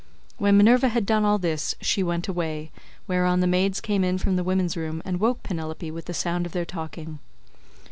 When Minerva had done all this she went away, whereon the maids came in from the women's room and woke Penelope with the sound of their talking.